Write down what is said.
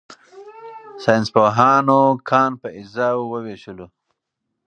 ساینسپوهانو کان په اجزاوو وویشو.